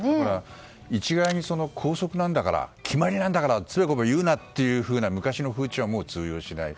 一概に校則なんだから決まりなんだからつべこべ言うなという昔の風潮はもう通用しない。